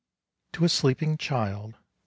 TO A SLEEPING CHILD. I.